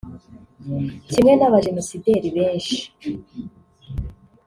Kimwe n’abajenosideri benshi